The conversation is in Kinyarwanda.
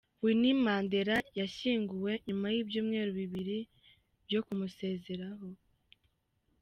Winnie Mandela yashyinguwe nyuma y’ibyumweru bibiri byo kumusezeraho.